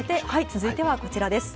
続いてはこちらです。